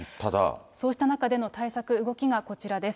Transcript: そうした中での対策、動きがこちらです。